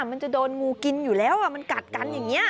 มันจะโดนงูกินอยู่แล้วมันกัดกันอย่างนี้